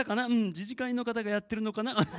自治会の方がやってるのかな。